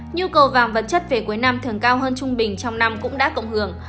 nhu cầu vàng vật chất về cuối năm thường cao hơn trung bình trong năm cũng đã cộng hưởng